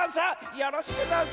よろしくざんす！